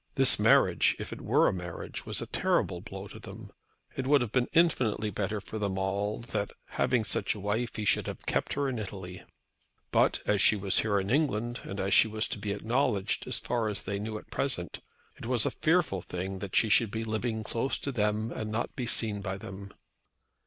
This marriage, if it were a marriage, was a terrible blow to them. It would have been infinitely better for them all that, having such a wife, he should have kept her in Italy. But, as she was here in England, as she was to be acknowledged, as far as they knew at present, it was a fearful thing that she should be living close to them and not be seen by them.